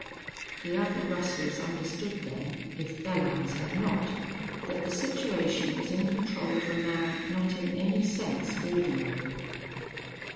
The other rustlers understood then, if Belllounds had not, that the situation was in control of a man not in any sense ordinary.